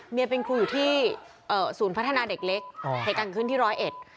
เมียเป็นครูอยู่ที่ศูนย์พัฒนาเด็กเล็กเหตุการณ์ขึ้นที่ร้อยเอ็ด